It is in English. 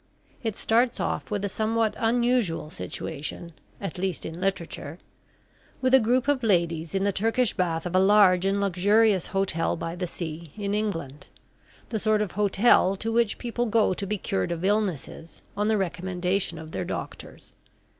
It starts off with a somewhat unusual situation, at least in literature, with a group of ladies in the turkish bath of a large and luxurious hotel by the sea, in England, the sort of hotel to which people go to be cured of illnesses, on the recommendation of their doctors.